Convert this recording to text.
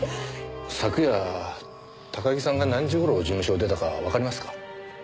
昨夜高木さんが何時頃事務所を出たかわかりますか？